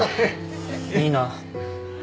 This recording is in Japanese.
いいな。